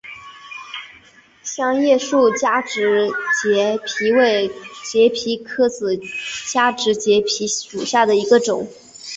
香叶树加植节蜱为节蜱科子加植节蜱属下的一个种。